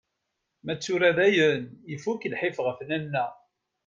Ma d tura dayen, ifuk lḥif ɣef Nanna.